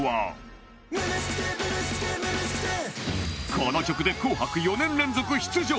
この曲で『紅白』４年連続出場！